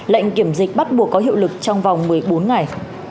lệnh kiểm dịch bắt buộc có hiệu lực trong vòng một mươi bốn ngày